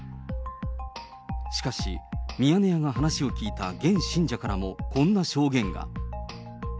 しかし、ミヤネ屋が話を聞いた現信者からもこんな証言が。